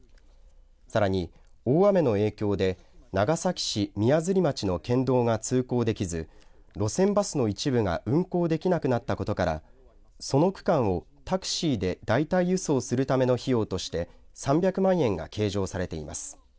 さらに、大雨の影響で長崎市宮摺町の県道が通行できず路線バスの一部が運行できなくなったことからその区間をタクシーで代替輸送するための費用として３００万円が計上されています。